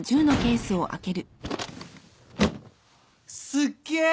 すっげえ！